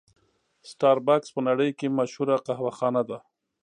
سټار بکس په نړۍ کې مشهوره قهوه خانه ده.